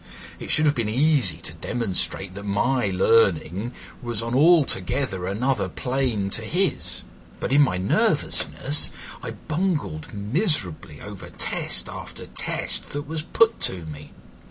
It should have been easy to demonstrate that my learning was on altogether another plane to his, but in my nervousness I bungled miserably over test after test that was put to me.